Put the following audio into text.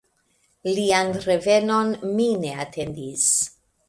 Lian revenon mi ne atendis.